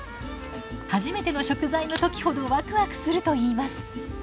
初めての食材の時ほどワクワクするといいます。